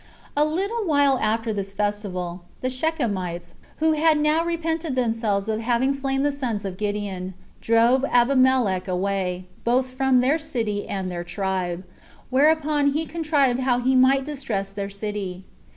3. A little while after this festival, the Shechemites, who had now repented themselves of having slain the sons of Gideon, drove Abimelech away, both from their city and their tribe; whereupon he contrived how he might distress their city.